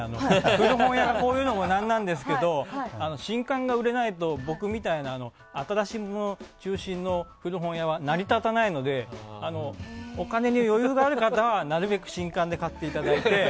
古本屋がこう言うのも何なんですけど新刊が売れないと僕みたいな新しいもの中心の古本屋は成り立たないのでお金に余裕がある方はなるべく新刊で買っていただいて。